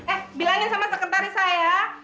eh bilangin sama sekretaris saya